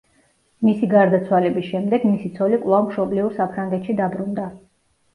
მისი გარდაცვალების შემდეგ მისი ცოლი კვლავ მშობლიურ საფრანგეთში დაბრუნდა.